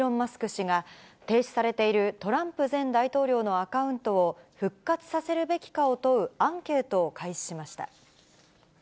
氏が、停止されているトランプ前大統領のアカウントを復活させるべきかを問うアンケートを開始しました。